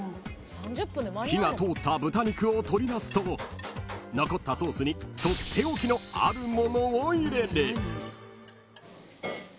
［火が通った豚肉を取り出すと残ったソースにとっておきのあるものを入れる］